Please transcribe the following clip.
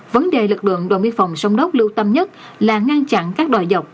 vấn đề lực lượng đồn biên phòng sông đốc lưu tâm nhất là ngăn chặn các đòi dọc